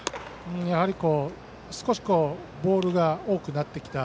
やはり、少しボールが多くなってきた。